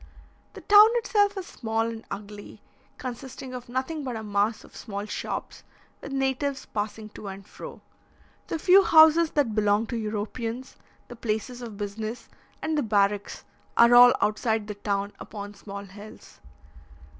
The town itself is small and ugly, consisting of nothing but a mass of small shops, with natives passing to and fro. The few houses that belong to Europeans, the places of business, and the barracks, are all outside the town, upon small hills.